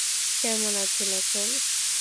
কেমন আছেন এখন?